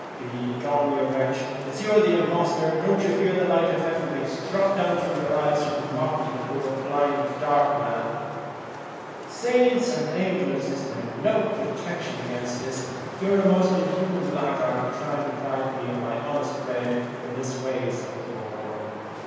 1 Begone, you wretch ! it's you'ze the imposhterer. Don't you fear the light of heaven being struck from your eyes for mocking the poor dark man ?'' Saints and angels, is there no protection against this ? You're a most inhuman blaguard to try to deprive me of my honest bread this way,' replied poor Moran.